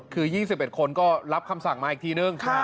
คือ๒๑คนก็รับคำสั่งมาอีกทีนึง